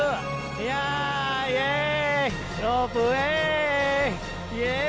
いやイエイ！